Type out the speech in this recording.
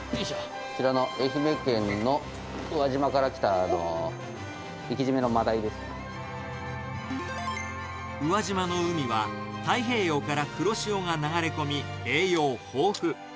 こちらの愛媛県の宇和島から宇和島の海は太平洋から黒潮が流れ込み、栄養豊富。